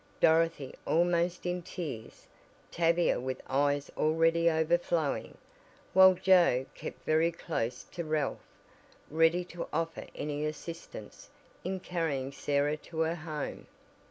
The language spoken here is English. Dorothy almost in tears; Tavia with eyes already overflowing, while Joe kept very close to Ralph, ready to offer any assistance in carrying Sarah to her home.